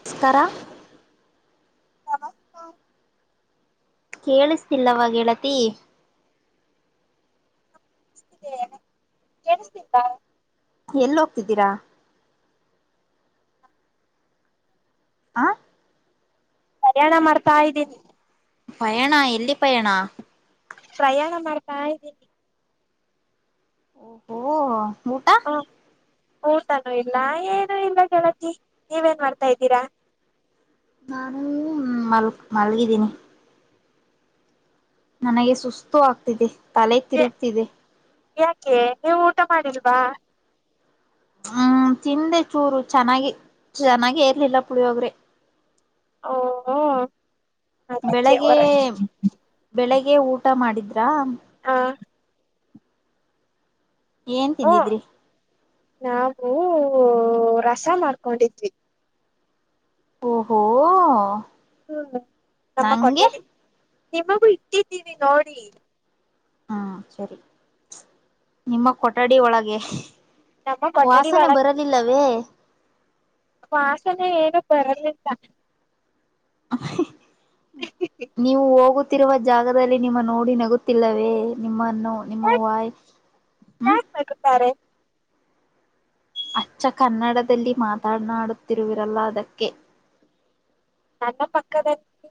ನಮಸ್ಕಾರ [unintelligible] ಸಮಸ್ತೆ [unintelligible] ಕೇಳಿಸ್ತಿಲ್ಲವಾ ಗೆಳತಿ ಕೇಳಿಸ್ತಿದೆ [unintelligible] ಕೆಳಸ್ತಿಲ್ವಾ ಎಲ್ಲ್ ಹೋಗ್ತಿದ್ದೀರಾ ಆ ಒಗ್ಯಾಣ ಮಾಡ್ತಾ ಇದ್ದೀನಿ ಪಯಣಾ ಎಲ್ಲಿ ಪಯಣಾ ಪ್ರಯಾಣ ಮಾಡ್ತಾ ಇದ್ದೀನಿ ಓಹೋ ಊಟಾ ಹು ಊಟನೂ ಇಲ್ಲ ಏನು ಇಲ್ಲ ಗೆಳತಿ ನೀವೇನ್ ಮಾಡ್ತಾ ಇದ್ದೀರಾ ನಾನು ಮಲ್ಕ್ ಮಲ್ಗಿದ್ದೀನಿ ನನಗೆ ಸುಸ್ತು ಆಗ್ತಿದೆ ತಲೆ ತಿರುಗ್ತಿದೆ ಯಾಕೆ ನೀವು ಊಟ ಮಾಡಿಲ್ವಾ ಹ್ಮ್ ತಿಂದೆ ಚೂರು ಚೆನ್ನಾಗಿ ಚೆನ್ನಾಗೆ ಇರ್ಲಿಲ್ಲ ಪುಳಿಯೋಗ್ರೆ ಓಹೋ [unintelligible] ಬೆಳಗ್ಗೆ ಊಟ ಮಾಡಿದ್ರಾ ಹಾ. ಏನ್ ಓ ತಿಂದಿದ್ರಿ ನಾವು ರಸಾ ಮಾಡ್ಕೊಂಡಿದ್ವಿ ಓಹೋ. ಹ್ಮ್ ನಮ್ಮ ನಂಗೆ ಕೊಠಡಿ ನಿಮಗೂ ಇಟ್ಟಿದ್ದೀವಿ ನೋಡಿ ಹ್ಮಾ [inaudible] ಸರಿ ನಿಮ್ಮ್ ಕೊಠಡಿ ಒಳಗೆ ನಮ್ಮ ಕೊಠಡಿ ವಾಸನೆ ಒಳಗ್ ಬರಲಿಲ್ಲವೇ ವಾಸನೆ ಏನು ಬರಲಿಲ್ಲಾ. [unintelligible] ನೀವು ಹೋಗುತ್ತೀ ತ್ತಿರುವ ಜಾಗದಲ್ಲಿ ನಿಮ್ಮ ನೋಡಿ ನಗುತ್ತಿಲ್ಲವೇ ನಿಮ್ಮನ್ನು ನಿಮ್ಮ ಯಾಕ್ ವಾಯ್ ಹ್ಮ್ [unintelligible] ಅಚ್ಚ ಕನ್ನಡದಲ್ಲಿ ಮಾತನಾಡುತ್ತಿರುವಿರಲ್ಲಾ ಅದಕ್ಕೆ ನನ್ನ ಪಕ್ಕದಲ್ಲಿ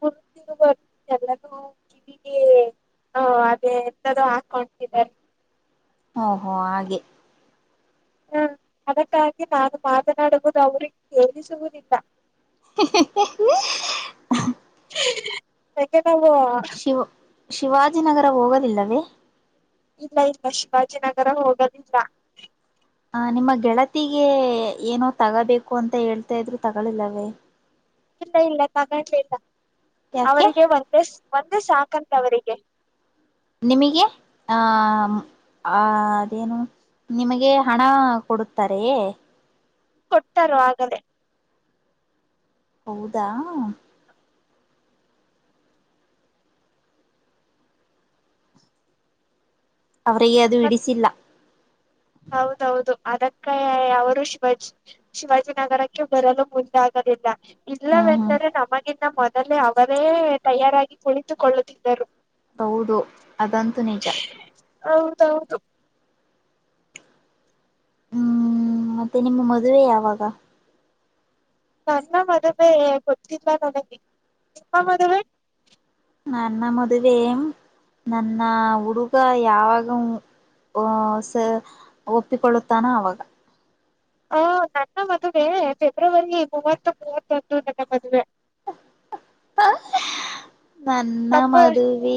ಕುಂತಿರುವ ಕೆಲವು ಕಿವಿ ಹ್ಮ್ ಅದೇ ಹಾಕ್ ಕಾಣ್ತಿದ್ದಾರೆ. ಓಹೋ ಹಾಗೆ ಹ್ಮ್ ಅದಕ್ಕಾಗಿ ನಾನು ಮಾತನಾಡುವುದು ಅವರಿಗೆ ಕೇಳಿಸುವುದಿಲ್ಲ. [unintelligible] ಹಂಗೆ ನಾವು ಶಿವು ಶಿವಾಜಿನಗರ ಹೋಗೋದಿಲ್ಲವೇ. ಇಲ್ಲ ಇಲ್ಲ ಶಿವಾಜಿನಗರ ಹೋಗದಿಲ್ಲ. ಹ ನಿಮ್ಮ ಗೆಳತಿಗೆ ಏನೋ ತಗೋಬೇಕು ಅಂತ ಹೇಳ್ತಾ ಇದ್ರಿ ತಗಲಿಲ್ಲವೇ. ಇಲ್ಲ ಇಲ್ಲ ತಗಡ್ಲಿಲ್ಲ ಯಾಕೆ ಅವರಿಗೆ ಒಂದೇ ಒಂದೇ ಸಾಕಂತೆ ಅವರಿಗೆ. ನಿಮಗೆ ಆ ಆ ಅದೇನು ನಿಮಗೆ ಹಣ ಕೊಡುತ್ತಾರೇ ಹೆ ಕೊಟ್ಟಾರು ಆಗಲೇ ಹೌದಾ ಅವರಿಗೆ ಅದು ಮತ್ ಇಡಿಸಿಲ್ಲ. ಹೌದೌದು ಅದಕ್ಕ ಅವರು ಶಿವಾಜ್- ಶಿವಾಜಿನಗರಕ್ಕೆ ಬರಲು ಮುಂದೆ ಆಗಲಿಲ್ಲ. ಹ್ಮ್ ಹ್ಮ್ ಇಲ್ಲವೆಂದರೆ ನಮಗಿನ್ನ ಮೊದಲೇ ಅವರೇ ತಯಾರಾಗಿ ಕುಳಿತುಕೊಳ್ಳುತ್ತಿದ್ದರು. ಹೌದು ಅದಂತೂ ನಿಜ ಹೌದೌದು ಹ್ಮ್ ಮತ್ತೆ ನಿಮ್ಮ ಮದುವೆ ಯಾವಾಗ. ನನ್ನ ಮದುವೆ ಗೊತ್ತಿಲ್ಲ ನನಗೆ ನಿಮ್ಮ ಮದುವೆ. ನನ್ನ ಮದುವೆ ನನ್ನ ಹುಡುಗ ಯಾವಾಗ ಆ ಸ ಒಪ್ಪಿಕೊಳ್ಳುತ್ತಾನ ಅವಾಗ. ಹೂ ನನ್ನ ಮದುವೆ ಫೆಬ್ರವರಿ ಮೂವತ್ತು ಮೂವತ್ತೊಂದು ನನ್ನ ಮದುವೆ. ನನ್ನ ತಪ್ಪ ಮದುವೆ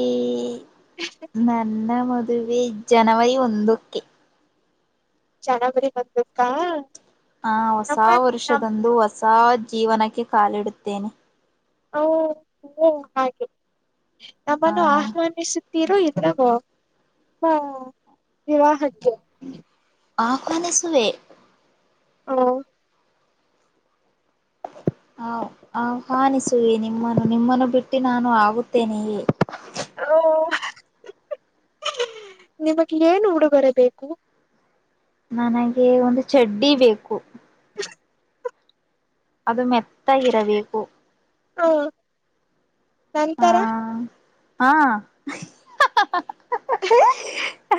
ನನ್ನ ಮದ್ ದುವೆ ಜನವರಿ ಒಂದುಕ್ಕೆ ಜನವರಿ ಒಂದುಕ್ಕ ಹ ಹೊಸ ವರ್ಷದಂದು ಹೊಸ ಜೀವನಕ್ಕೆ ಕಾಲಿಡುತ್ತೇನೆ. ಓ ಓ ಹಾಗೆ ಆ ನಮ್ಮನ್ನು ಆಹ್ವಾನಿಸ್ ತಿರು ಇದ್ರಾಗೊ ಹಾ ವಿವಾಹಕ್ಕೆ. ಆಹ್ವಾನಿಸುವೆ ಹ ಹ ಆ ಆಹ್ವಾನಿಸುವೆ ನಿಮ್ಮನ್ನು ನಿಮ್ಮನ್ನು ಬಿಟ್ಟಿ ನೀನು ಆಗುತ್ತೇ ಹೆ ಹ್ಹ್ ನಿಮಗ್ ಏನು ಉಡುಗರೆಬೇಕು. ನನಗೆ ಒಂದು ಚಡ್ಡಿ ಬೇಕು. ಅದು ಮೆತ್ತಾಗಿರಬೇಕು. ಹಾ ನಂತರ ಹ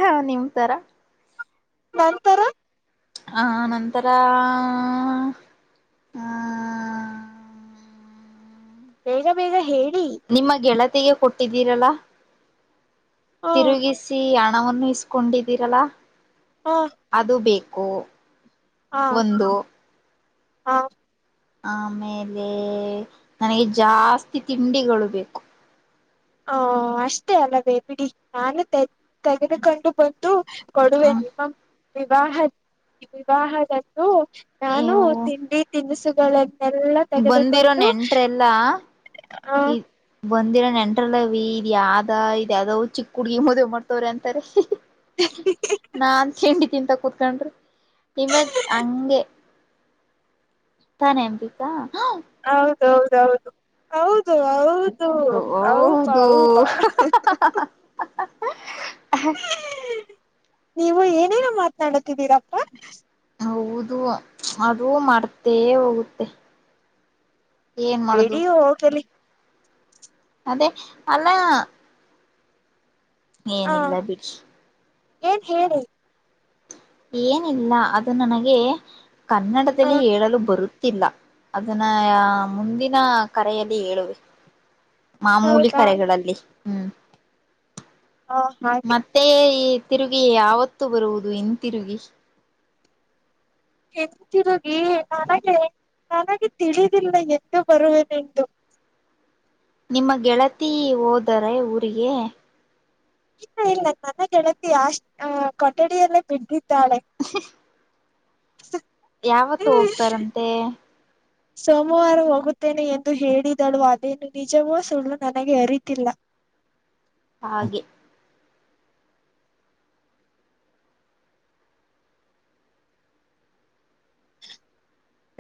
ಹಾ ನಿಮ್ಮ ತರ ನಂತರ ಆ ನಂತರ ಹ ಬೇಗ ಬೇಗ ಹೇಳಿ ನಿಮ್ಮ ಗೆಳತಿಗೆ ಕೊಟ್ಟಿದ್ದೀರಲ್ಲಾ. ಹ ತಿರುಗಿಸಿ ಹಣವನ್ನು ಇಸ್ಕೊಂಡಿದ್ದೀರಲ್ಲಾ. ಹ ಅದು ಬೇಕು ಹಾ ಒಂದು ಹ ಆಮೇಲೆ ನನಗೆ ಜಾಸ್ತಿ ತಿಂಡಿಗಳು ಬೇಕು ಹ ಅಷ್ಟೇ ಅಲ್ಲವೇ ಬಿಡಿ ನಾನು ತ ತೆಗೆದುಕೊಂಡು ಬಂದು ಹ್ಮ ಕೊಡುವೇನೆ ಮ [unintelligible] ವಿವಾಹ ವಿವಾಹದತ್ತು ನಾನು ಇವು ತಿಂಡಿ ತಿನಿಸುಗಳನ್ನೆಲ್ಲ ಬಂದಿರೋ ನೆಂಟ್ರ ಎಲ್ಲ ಆ ಬಂದಿರ ನೆಂಟ್ರಲ್ಲೀ ವಿ ಇದ್ ಯಾವ್ದ ಇದ ಯಾವಾವ್ ಚಿಕ್ಕ ಹುಡ್ಗಿ ಮದುವೆ ಮಾಡ್ತವ್ರ ಅಂತಾರೆ ನಾನ್ ತಿಂಡಿ ತಿಂತ ಕುತ್ಕೊಂಡ್ರಿ ನಿಮ್ಮದ ಹಂಗೆ ತಾನೆ ಅಂಬಿಕಾ ಹೌದೌದೌದು ಹೌದು ಹೌದು ಹ ಹೌಪಾ ಹೌದು ಹೌಪಾ [unintelligible] [unintelligible] ನೀವು ಏನೇನ ಮಾತನಾಡತಿದ್ದೀರಪ್ಪಾ? ಹೌದು ಅದು ಮರ್ತೆ ಹೋಗುತ್ತೆ ಏನ್ ಮಾಡುದು ಎಡಿಯ ಹೋಗಲಿ ಅದೇ ಅಲ್ಲ ಹ ಏನಿಲ್ಲ ಬಿಡಿ ಏನ್ ಹೇಳಿ ಏನಿಲ್ಲ ಅದು ನನಗೆ ಹ ಕನ್ನಡದಲ್ಲಿ ಹೇಳಲು ಬರುತ್ತೆ [unintelligible] ಲ್ಲ ಅದನ್ನ ಮುಂದಿನ ಕರೆಯಲ್ಲಿ ಹೇಳುವೆ ಮಾಮೂಲಿ ಹೌದಾ ಕರೆಗಳಲ್ಲಿ ಹ್ಮ್ ಹಾ ಹಅಯ್ತು ಮತ್ತೆ ಈ ತಿರುಗಿ ಯಾವತ್ತು ಬರುವುದು ಇನ್ ತಿರುಗಿ ಇನ್ ತಿರುಗಿ ನನಗೆ ನನಗೆ ತಿಳಿದಿಲ್ಲ ಎಂದು ಬರುವನೆಂದು ನಿಮ್ಮ ಗೆಳತಿ ಹೋದರೆ ಊರಿಗೆ? ಇಲ್ಲ ಇಲ್ಲ ನನ್ನ ಗೆಳತಿ ಅಷ್ಟ್ ಅ ಕೊಠಡಿಯಲ್ಲೇ ಬಿದ್ದಿದ್ದಾಳೆ ಹ [unintelligible] [unintelligible] ಯಾವತ್ತು ಹೋಗ್ತಾರಂತೆ? [inaudible] ಸೋಮವಾರ ಹೋಗುತ್ತೇನೆ ಎಂದು ಹೇಳಿದಳು ಅದೇನು ನಿಜವೂ ಸುಳ್ಳು ನನಗೆ ಅರಿತಿಲ್ಲ ಹಾಗೆ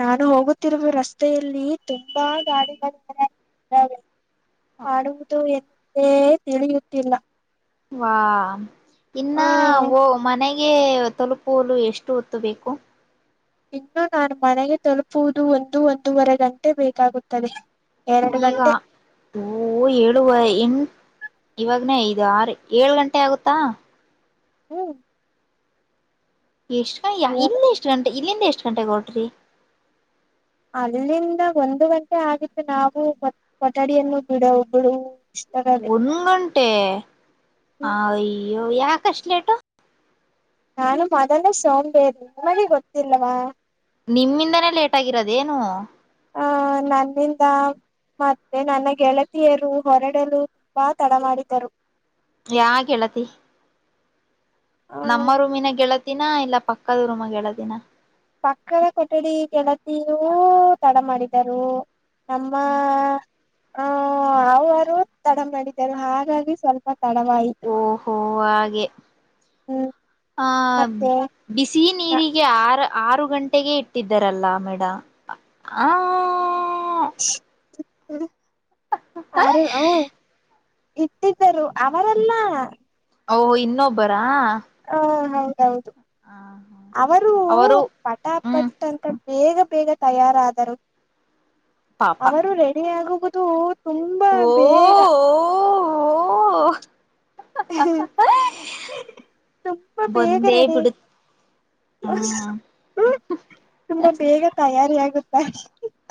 ನಾನು ಹೋಗುತ್ತಿರುವ ರಸ್ತೆಯಲ್ಲಿ ತುಂಬಾ ಗಾಡಿಗಳಿವೆ ಮಾಡಡುವುದು ಎಂದೇ ತಿಳಿಯುತ್ತಿಲ್ಲ ವಾ ಇನ್ನ ಆ ಮನೆಗೆ ಗೆ ತಲುಪುಲು ಎಷ್ಟು ಒತ್ತು ಬೇಕು ಇನ್ನು ನಾನು ಮನೆಗೆ ತಲುಪುವುದು ಒಂದು ಒಂದೂವರೆ ಗಂಟೆ ಬೇಕಾಗುತ್ತದೆ ಎರಡು ಈಗ ಗಂಟೆ ಓ ಏಳುವ ಎಂ ಇವಾಗನ ಇದು ಆರು ಏಳು ಗಂಟೆ ಆಗುತ್ತಾ ಹ್ಮ್ ಎಷ್ಟು ಗ ಇಲ್ಲಿ ಎಷ್ಟು ಗಂಟೆ ಇಲ್ಲಿಂದ ಎಷ್ಟು ಗಂಟೆಗೆ ಹೊರಟ್ರಿ ರಿ ಅಲ್ಲಿಂದ ಒಂದು ಗಂಟೆ ಆಗಿತ್ತು ನಾವು ಕೊಠಡಿಯನ್ನು ಬಿಡೋ ಬಿಡುವುದು ಒಂದ ಗಂಟೆ ಅ ಅಯ್ಯೋ ಯಾಕಷ್ಟ ಲೇಟು ನಾನು ಮೊದಲು ಸೋಂಬೇರ್ ನಿಮ್ಮಗೆ ಗೊತ್ತಿಲ್ಲವಾ ನಿಮ್ಮಿಂದನೇ ಲೇಟ್ ಆಗಿರೋದ ಏನು ಅ ನನ್ನಿಂದ. ಮತ್ತೆ ನನ್ನ ಗೆಳತಿಯರು ಹೊರಡಲು ತುಂಬಾ ತಡ ಮಾಡಿದ್ದರು. ಯಾ ಗೆಳತಿ. ಆ ನಮ್ಮ ರೂಮಿನ ಗೆಳತಿನ ಇಲ್ಲ ಪಕ್ಕದ ರೂಮ ಗೆಳತಿನ. ಪಕ್ಕದ ಕೊಠಡಿ ಗೆಳತಿಯೂ ತಡ ಮಾಡಿದರು. ನಮ್ಮ ಹ್ಮ್ ಆ ಅವರು ತಡ ಮಾಡಿದ್ದರು ಹಾಗಾಗಿ ಸ್ವಲ್ಪ ತಡವಾಯ್ತ ಓಹೋ ಹಾಗೆ ಹ್ಮ್ ಆ ಮತ್ತೆ ಬಿಸಿ ನೀರಿಗೆ ಆರ್ ಆರು ಗಂಟೆಗೆ ಇಟ್ಟಿದ್ದರಲ್ಲ ಮೇಡಮ್. ಆ ಹ್ [unintelligible] ಆರ್ ಹುಂ. ಇಟ್ಟಿದ್ದರು ಅವರಲ್ಲ. ಓಹ್ ಇನ್ನೊಬ್ಬರಾ. ಹಾ ಹೌದೌದು ಅವರು ಹ್ಮ್ ಪಟಾಪಟ್ ಅಂತ ಬೇಗ ಬೇಗ ತಯಾರಾದರು ಪಾಪ ಅವರು ರೆಡಿಯಾಗುವುದು. ತುಂಬಾ ಬೇಗ. ಓ ಹ್ ಹಾ ಹಾ ಹಾ ತುಂಬಾ ಬಂದೇ ಬಿಡುತ್ ಸ್ ಮ್ ತುಂಬಾ ಬೇಗ ತಯಾರಿಯಾಗುತ್ತಾ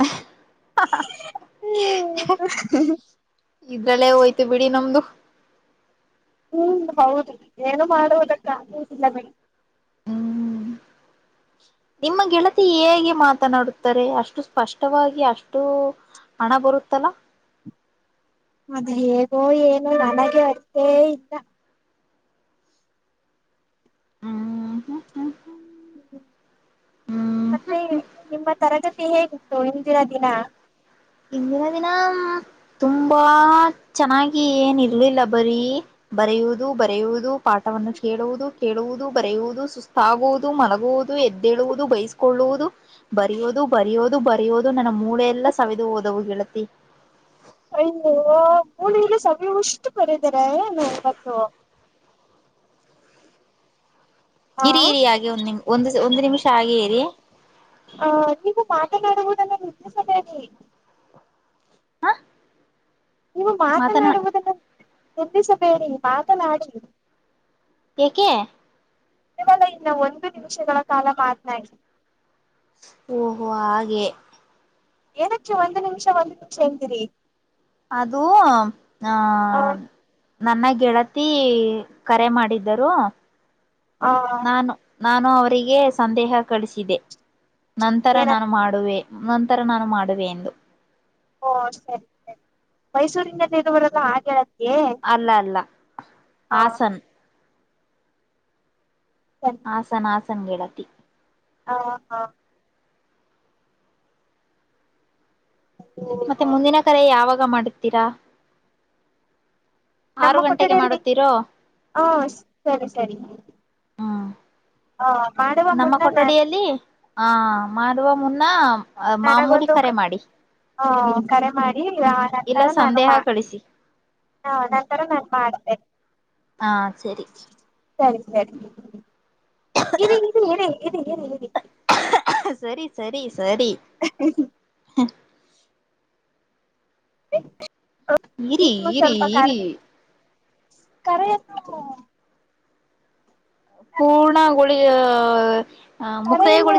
ಅಹ್ಹಾಹ ಹ್ ಅಹ್. ಹ್ಮ್ ಇದ್ರಲ್ಲೇ ಹೋಯ್ತು ಬಿಡಿ ನಮ್ದು. ಹ್ಮ್ ಹೌದು ಏನು ಮಾಡುವುದಕ್ಕಾಗುವುದಿಲ್ಲ ಬಿಡಿ. ಹ್ಮ್ [inaudible] ನಿಮ್ಮ ಗೆಳತಿ ಹೇಗೆ ಮಾತನಾಡುತ್ತಾರೆ ಅಷ್ಟು ಸ್ಪಷ್ಟವಾಗಿ ಅಷ್ಟೂ. ಹಣ ಬರುತ್ತಲಾ. ಅದು ಹೇಗೋ ಏನು ನನಗೆ ಅರ್ತೇ ಇಲ್ಲ. ಹ್ಮ ಹ ಹ ಹ್ಮ್ ಹ್ಮ್ ಹ್ಮ್ ಮತ್ತೆ ನಿಮ್ಮ ತರಗತಿ ಹೇಗಿತ್ತು ಇಂದಿನ ದಿನ. ಇಂದಿನ ದಿನ ತುಂಬಾ ಚೆನ್ನಾಗಿ ಏನ್ ಇರ್ಲಿಲ್ಲ ಬರೀ. ಬರೆಯುವುದು ಬರೆಯುವುದು ಪಾಠವನ್ನು ಕೇಳುವುದು ಕೇಳುವುದು ಬರೆಯುವುದು ಸುಸ್ತ್ ಸ್ತಾಗುವುದು ಮಲಗುವುದು ಎದ್ದೇಳುವುದು ಬೈಸ್ಕೊಳ್ಳುವುದು. ಬರಿಯೋದು ಬರಿಯೋದು ಬರಯೋದು ನನ್ನ ಮೂಳೆಲ್ಲ ಸವಿದು ಹೋದವು ಗೆಳತಿ. ಅಯ್ಯೋ ಮೂಳೆಇಲ್ಲಿ ಸವಿಯುವಷ್ಟು ಬರಿದಿರಾ ಏನು ಇವತ್ತು. ಆ ಇರಿ ಇರಿ ಹಾಗೆ ಒಂದ್ ನಿಮ್ ಒಂದು ಒಂದು ನಿಮಿಷ ಹಾಗೆ ಇರಿ. ಅ ನೀವು ಮಾತನಾಡುವುದನ್ನ ನಿಲ್ಲಿಸಬೇಡಿ. ಹಾ ನೀವು ಮಾತನಾಡುವುದನ್ನು ನಿಲ್ಲಿಸಬೇಡಿ ಮಾತನಾಡಿ. ಎಕೆ ಕೇವಲ ಇನ್ನ ಒಂದು ನಿಮಿಷಗಳ ಕಾಲ ಮಾತನಾಡಿ. ಓಹೋ ಹಾಗೆ. ಏನಕ್ಕೆ ಒಂದ್ ನಿಮಿಷ ಒಂದ್ ನಿಮಿಷ ಅಂತಿರಿ. ಅದು ಆ ಆ ನಮ್ಮ ಗೆಳತಿ ಕರೆ ಮಾಡಿದ್ದರು. ಹಾ ನಾನು ನಾನು ಅವರಿಗೆ ಸಂದೇಹ ಕಳಿಸಿದೆ ನಂತರ ಏನ ನಾನು ಮಾಡುವೆ. ನಂತರ ನಾನು ಮಾಡುವೆ ಎಂದು. ಓ ಸರಿ ಸರಿ ಮೈಸೂರಿಂದ ಹರಿದು ಬರದು ಹಾಗ ಹೇಳತ್ತೆ. ಅಲ್ಲ ಅಲ್ಲ ಆಸನ್. ಸರಿ ಹಾಸನ್ ಹಾಸನ್ ಗೆಳತಿ. ಅಹ ಹಾ ಹು ಮತ್ತೆ ಮುಂದಿನ ಕರೆ ಯಾವಾಗ ಮಾಡುತ್ತೀರಾ. ಆರು ನಮ್ಮ ಗಂಟೆಗೆ ಕೊಠಡಿಯಲ್ಲಿ ಮಾಡತ್ತೀರೋ. ಹ ಸರಿ ಸರಿ ಆ ಮಾಡುವ ನಮ್ಮ ಮುನ್ನ ನ ಕೊಠಡಿಯಲ್ಲಿ ಆ ಮಾಡುವ ಮುನ್ನ. ಮಾಮೂಲಿ ನನಗೊಂದು ಕರೆ ಮಾಡಿ ಹ ಕರೆ ಮಾಡಿ ಯಾ ಇಲ್ಲ ನಂತರ ನಾನು ಸಂದೇಹ ಮಾ ಕಳಿಸಿ ಹಾ ನಂತರ ನಾನ್ ಮಾಡ್ತೇನೆ. ಹಾ ಸರಿ ಸರಿ ಸರಿ ಇರಿ ಇರಿ ಇರಿ ಇರಿ ಇರಿ ಇರಿ. ಅಹ್ಹ್ ಅಹ್ಮ್ ಸರಿ ಸರಿ ಸರಿ. ಅಹ್ ಹ ಹಂ ನೀ [unintelligible] ಇರಿ ಇರಿ ಸ್ವಲ್ಪ ಕರೆ ಇರಿ ಕರೆಯನ್ನು. ಪೂರ್ಣಗೊಳಿ ಯ ಕರೆಯನ್ನು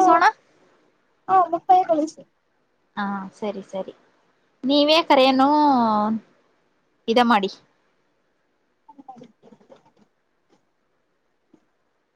ಹಾ ಮುಕ್ತಾಯಗೊಳಿಸಿ. ಹಾಂ ಸರಿ ಸರಿ ನೀವೇ ಕರೆಯನ್ನು ಇದ ಮಾಡಿ.